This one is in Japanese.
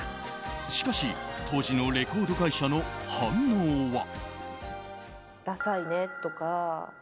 しかし、当時のレコード会社の反応は。